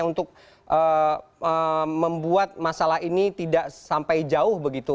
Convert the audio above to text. untuk membuat masalah ini tidak sampai jauh begitu